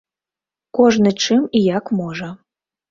Кожны чым і як можа.